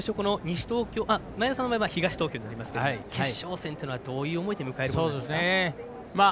前田さんの場合は東東京になりますが決勝戦というのはどういう思いで見ていますか？